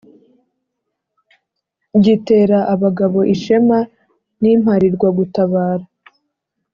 Gitera abagabo ishema n’imparirwagutabara